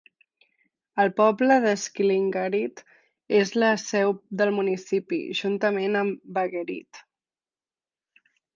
El poble de Skillingaryd és la seu del municipi, juntament amb Vaggeryd.